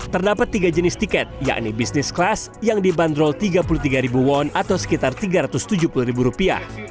terdapat tiga jenis tiket yakni bisnis kelas yang dibanderol tiga puluh tiga won atau sekitar tiga ratus tujuh puluh